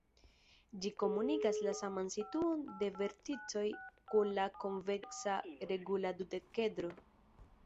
Ĝi komunigas la saman situon de verticoj kun la konveksa regula dudekedro.